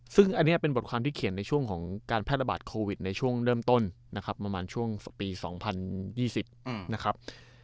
ซึ่งอันนี้เป็นบทความที่เขียนในช่วงของการแพร่ระบาดโควิดในช่วงเริ่มต้นนะครับประมาณช่วงปี๒๐๒๐นะครับ